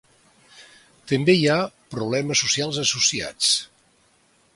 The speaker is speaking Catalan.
També hi ha problemes socials associats.